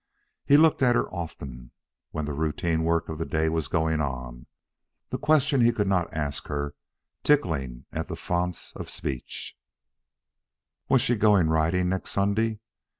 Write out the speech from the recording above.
He looked at her often, when the routine work of the day was going on, the question he could not ask her tickling at the founts of speech Was she going riding next Sunday?